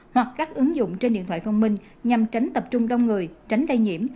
hoặc các ứng dụng trên điện thoại thông minh nhằm tránh tập trung đông người tránh gây nhiễm